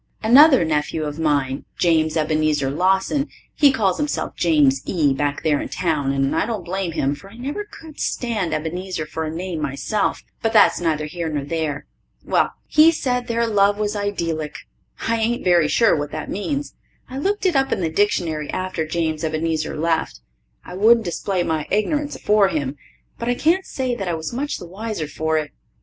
Another nephew of mine, James Ebenezer Lawson he calls himself James E. back there in town, and I don't blame him, for I never could stand Ebenezer for a name myself; but that's neither here nor there. Well, he said their love was idyllic, I ain't very sure what that means. I looked it up in the dictionary after James Ebenezer left I wouldn't display my ignorance afore him but I can't say that I was much the wiser for it.